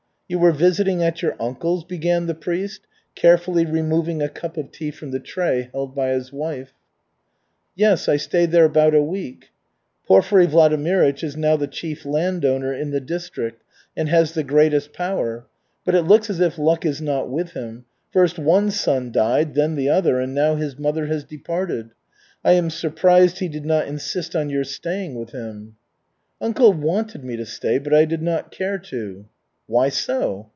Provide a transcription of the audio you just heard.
"You were visiting at your uncle's?" began the priest, carefully removing a cup of tea from the tray held by his wife. "Yes, I stayed there about a week." "Porfiry Vladimirych is now the chief landowner in the district, and has the greatest power. But it looks as if luck is not with him. First one son died, then the other, and now his mother has departed. I am surprised he did not insist on your staying with him." "Uncle wanted me to stay, but I did not care to." "Why so?"